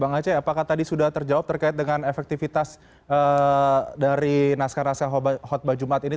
bang aceh apakah tadi sudah terjawab terkait dengan efektivitas dari naskah naskah khutbah jumat ini